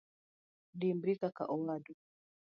Dimbri kaka owadu.